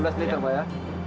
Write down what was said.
lima belas liter pa ya